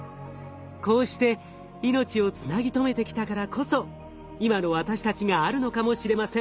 こうして命をつなぎ止めてきたからこそ今の私たちがあるのかもしれません。